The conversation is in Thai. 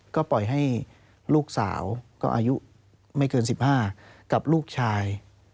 ก็ปล่อยให้ลูกสาวก็อายุไม่เกิน๑๕กับลูกชาย